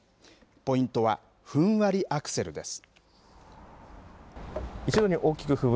ポイントはふんわりアクセルです。